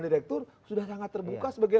direktur sudah sangat terbuka sebagai